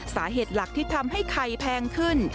สาเหตุหลักที่ทำให้ไข่แพงขึ้น